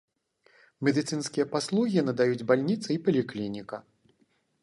Медыцынскія паслугі надаюць бальніца і паліклініка.